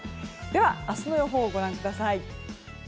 では、明日の予報をご覧ください。